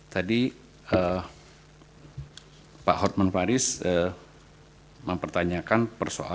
tadi pak hartman faris mempertanyakan persoalan tadi